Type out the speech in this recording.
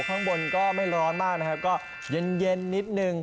ข้างบนก็ไม่ร้อนมากนะครับก็เย็นนิดนึง